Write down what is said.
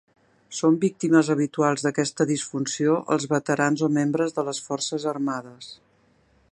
Són víctimes habituals d'aquesta disfunció els veterans o membres de les forces armades.